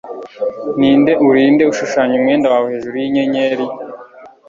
Ninde uri nde ushushanya umwenda wawe hejuru yinyenyeri?